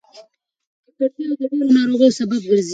ککړتیا د ډېرو ناروغیو سبب ګرځي.